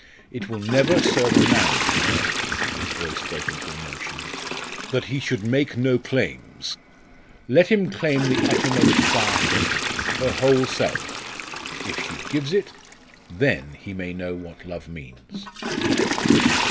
It will never serve a man with her" his voice broke into emotion "that he should make no claims! Let him claim the uttermost far thing her whole self. If she gives it, then he may know what love means!"